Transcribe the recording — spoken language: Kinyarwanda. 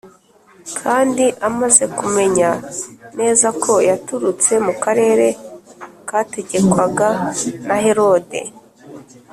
Kandi amaze kumenya neza ko yaturutse mu karere kategekwaga na herode